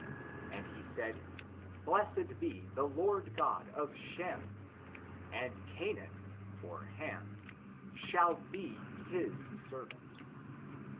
And he saidj blessed be the Lord Gfod of Shem ; and Canaan {Ham) shall be his ser vant.